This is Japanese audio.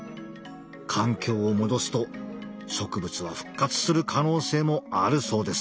環境を戻すと植物は復活する可能性もあるそうです。